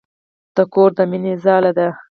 د کور د مينې ځاله ده.